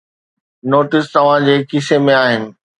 Notes توهان جي کيسي ۾ آهن.